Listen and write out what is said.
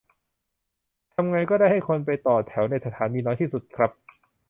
ทำไงก็ได้ให้คนไปต่อแถวในสถานีน้อยที่สุดครับ